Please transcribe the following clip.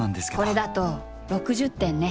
これだと６０点ネ。